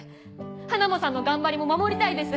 ハナモさんの頑張りも守りたいです